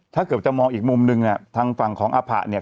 ถ้าเกิดจะมองอีกมุมนึงเนี่ยทางฝั่งของอภะเนี่ย